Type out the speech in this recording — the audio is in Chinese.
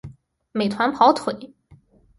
美团跑腿